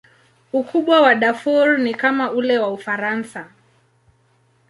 Ukubwa wa Darfur ni kama ule wa Ufaransa.